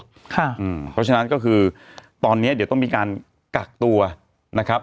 เพราะฉะนั้นก็คือตอนนี้เดี๋ยวต้องมีการกักตัวนะครับ